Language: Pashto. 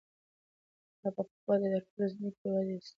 ما به پخوا دا ټولې ځمکې په یوازې ځان ابادې ساتلې.